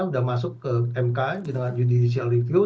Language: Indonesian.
sudah masuk ke mk dengan judicial review